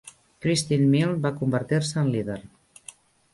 Christine Milne va convertir-se en líder.